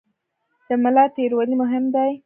د ملا تیر ولې مهم دی؟